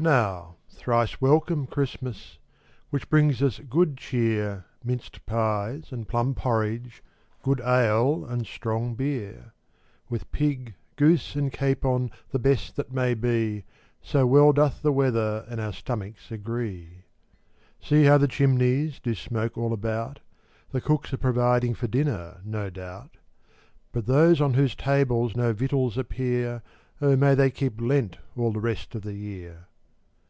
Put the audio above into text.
Now thrice welcome, Christmas, Which brings us good cheer, Minced pies and plum porridge, Good ale and strong beer; With pig, goose, and capon, The best that may be, So well doth the weather And our stomachs agree. Observe how the chimneys Do smoke all about; The cooks are providing For dinner, no doubt; But those on whose tables No victuals appear, O may they keep Lent All the rest of the year.